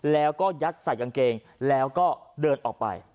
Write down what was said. แล้วก็ยัดใส่กางเกงแล้วก็เดินออกไป